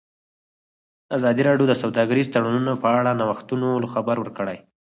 ازادي راډیو د سوداګریز تړونونه په اړه د نوښتونو خبر ورکړی.